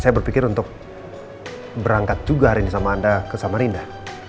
saya berpikir untuk berangkat juga hari ini sama anda ke samarinda